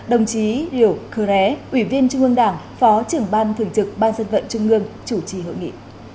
đồng chí riều khơ ré ủy viên trung ương đảng phó trưởng ban thường trực ban dân vận trung ương chủ trì hội nghị